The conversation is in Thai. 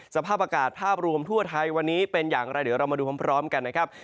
สภาพอากาศภาพรวมทั่วไทยวันนี้เป็นอย่างไรเดี๋ยวเรามาดูพร้อมกันนะครับ